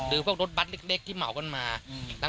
พวกรถบัตรเล็กที่เหมากันมา